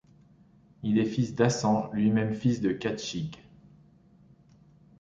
Il est fils d'Haçan, lui-même fils de Khatchig.